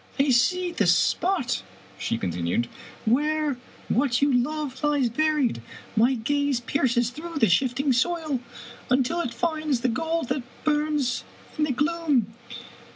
" I see the spot," she continued, " where what you love lies buried. My gaze pierces through the shifting soil until it finds the gold that burns in the gloom.